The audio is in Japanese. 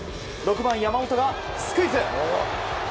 ６番、山本がスクイズ。